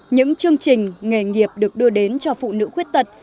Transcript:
những chương trình nghề nghiệp được đưa đến cho phụ nữ khuyết tật